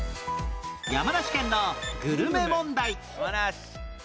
山梨県のグルメ問題